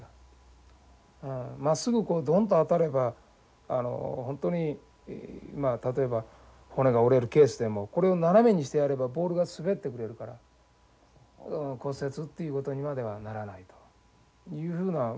まっすぐこうドンと当たれば本当にまあ例えば骨が折れるケースでもこれを斜めにしてやればボールが滑ってくれるから骨折っていうことにまではならないというふうな。